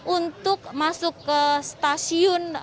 untuk masuk ke stasiun